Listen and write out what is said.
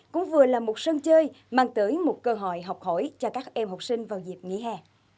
cũng vừa là một sân chơi mang tới một cơ hội học hỏi cho các em học sinh vào dịp nghỉ hè